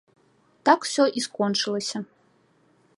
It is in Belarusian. Так усё і скончылася.